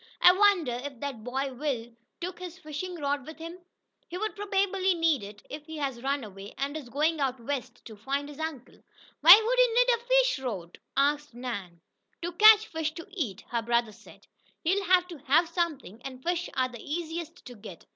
"I wonder if that boy Will took his fishing rod with him? He'd probably need it, if he has run away, and is going out west to find his uncle." "Why would he need a fish rod?" asked Nan. "To catch fish to eat," her brother said. "He'll have to have something, and fish are the easiest to get.